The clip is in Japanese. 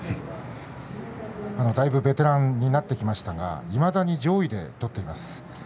だいぶベテランになってきましたがいまだに上位で取っています。